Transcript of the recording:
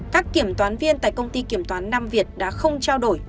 các kiểm toán viên tại công ty kiểm toán nam việt đã không trao đổi